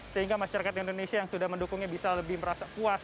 sehingga masyarakat indonesia yang sudah mendukungnya bisa lebih merasa puas